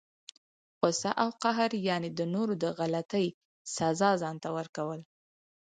غصه او قهر، یعني د نورو د غلطۍ سزا ځانته ورکول!